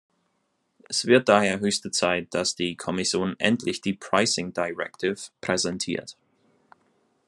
Es wird daher höchste Zeit, dass die Kommission endlich die Pricing Directive präsentiert.